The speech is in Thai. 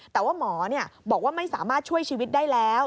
แต่ว่าหมอบอกว่าไม่สามารถช่วยชีวิตได้แล้ว